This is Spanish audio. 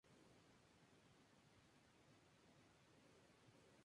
Esta palmera es un endemismo de la provincia fitogeográfica del cerrado.